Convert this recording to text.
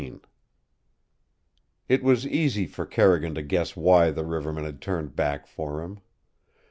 XV It was easy for Carrigan to guess why the riverman had turned back for him.